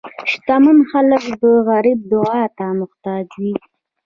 شتمن خلک د غریب دعا ته محتاج وي.